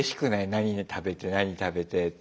何食べて何食べてっていうの。